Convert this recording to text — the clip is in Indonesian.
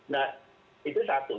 nah itu satu